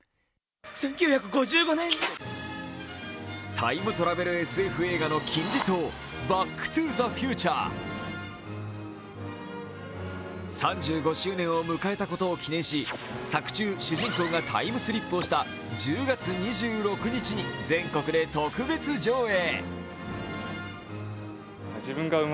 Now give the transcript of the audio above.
タイムトラベルＳＦ映画の金字塔「バック・トゥ・ザ・フューチャー」３５周年を迎えたことを記念し、作中、主人公がタイムスリップした１０月２６日に全国で特別上映。